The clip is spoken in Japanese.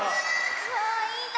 わいいな。